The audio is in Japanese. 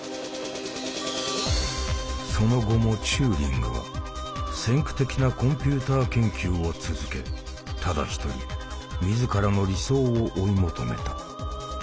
その後もチューリングは先駆的なコンピューター研究を続けただ一人自らの理想を追い求めた。